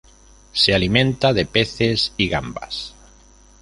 Se alimenta de peces y gambas.